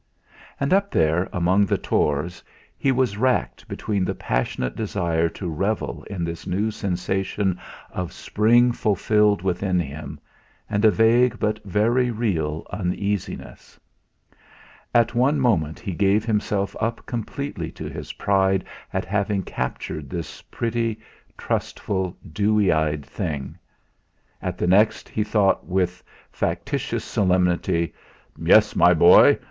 And up there among the tors he was racked between the passionate desire to revel in this new sensation of spring fulfilled within him, and a vague but very real uneasiness. At one moment he gave himself up completely to his pride at having captured this pretty, trustful, dewy eyed thing! At the next he thought with factitious solemnity: 'Yes, my boy!